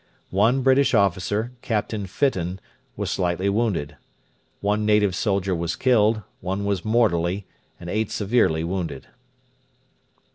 One British officer, Captain Fitton, was slightly wounded. One native soldier was killed; one was mortally and eight severely wounded.